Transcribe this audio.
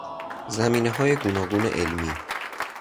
زمینههای گوناگون علمی